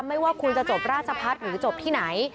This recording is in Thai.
ไม่ว่าคุณจะจบราชพัฒน์หรือจบที่ไหน